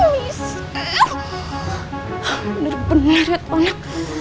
bener bener liat anak